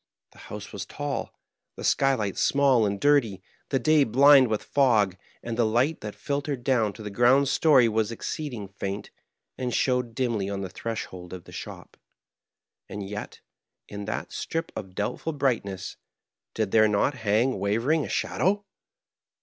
The house was tall, the skylight small and dirty, the day blind with fog ; and the light that filtered down to the ground story was exceeding faint, and showed dimly on the threshold of the shop. And yet, in that strip of doubtful brightness, did there not hang wavering a shadow